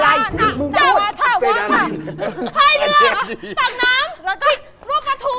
ไฟเรือตักน้ำแล้วก็ลูกภาษาถูก